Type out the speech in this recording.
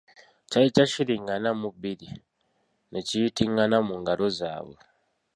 Kyali kya shilingi ana mu bbiri, ne kiyitingana mu ngalo zaabwe.